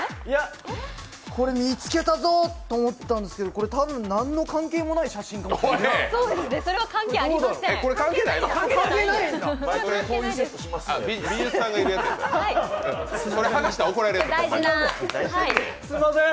これ見つけたぞと思ったんですけど、多分何の関係もない写真関係ありません。